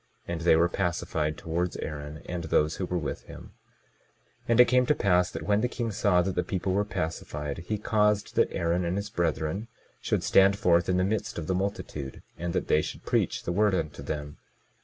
And they were pacified towards Aaron and those who were with him. 22:26 And it came to pass that when the king saw that the people were pacified, he caused that Aaron and his brethren should stand forth in the midst of the multitude, and that they should preach the word unto them.